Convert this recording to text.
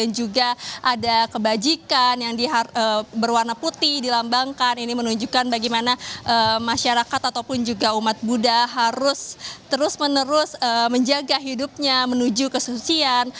juga ada kebajikan yang berwarna putih dilambangkan ini menunjukkan bagaimana masyarakat ataupun juga umat buddha harus terus menerus menjaga hidupnya menuju kesucian